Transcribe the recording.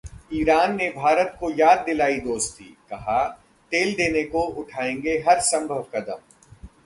Iran ने भारत को याद दिलाई दोस्ती, कहा- तेल देने को उठाएंगे हरसंभव कदम